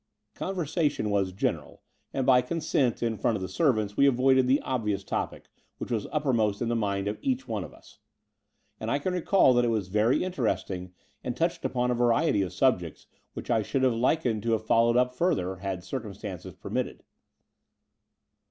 Conversation was general, and by consent in front of the servants we avoided the obvious topic which was uppermost in the mind of each one of us: and I can recall that it was very interesting and touched upon a variety of subjects, which I should have liked to have followed up further, had circumstances permitted.